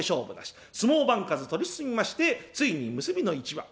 相撲番数取り進みましてついに結びの一番。